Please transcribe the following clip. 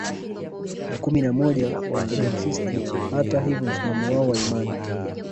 ya kumi na moja WaorthodoksiHata hivyo msimamo wao wa imani